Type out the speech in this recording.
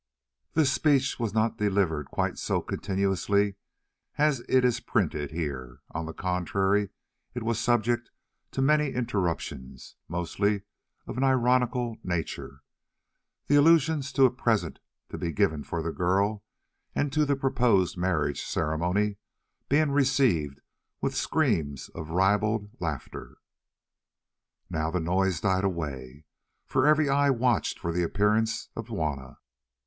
This speech was not delivered quite so continuously as it is printed here. On the contrary, it was subject to many interruptions, mostly of an ironical nature, the allusions to "a present" to be given for the girl and to the proposed marriage ceremony being received with screams of ribald laughter. Now the noise died away, for every eye watched for the appearance of Juanna.